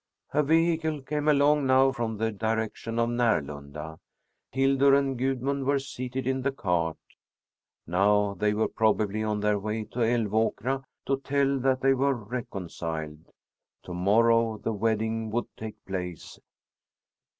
A vehicle came along now from the direction of Närlunda. Hildur and Gudmund were seated in the cart. Now they were probably on their way to Älvåkra to tell that they were reconciled. To morrow the wedding would take place.